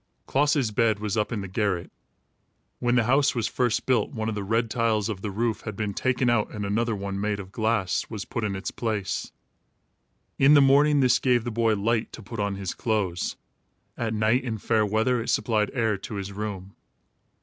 Klaas's bed was up in the garret. When the house was first built, one of the red tiles of the roof had been taken out and another one, made of glass, was put in its place. In the morning, this gave the boy light to put on his clothes. At night, in fair weather, it supplied air to his room.